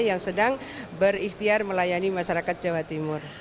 yang sedang berikhtiar melayani masyarakat jawa timur